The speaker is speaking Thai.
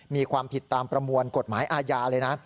มีความผิดตามประมวลกฎหมายอาญาเลยนะ